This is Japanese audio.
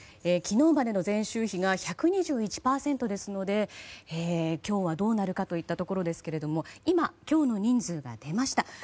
昨日までの前週比が１２１％ですので今日はどうなるかといったところですけれども今、今日の人数が出ました。